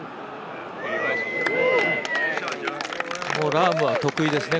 ラームは得意ですね